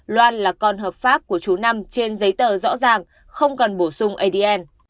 loan là con hợp pháp của chú năm trên giấy tờ rõ ràng không cần bổ sung adn